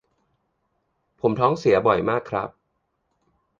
ผมท้องเสียบ่อยมากครับ